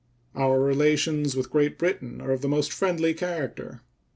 Our relations with Great Britain are of the most friendly character.